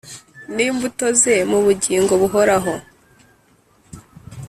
n'imbuto ze mu bugingo buhoraho.